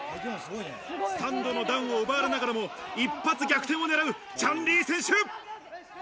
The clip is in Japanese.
３度のダウンを奪われながらも、一発逆転をねらうチャン・リー選手。